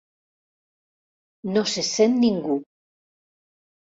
No se sent ningú.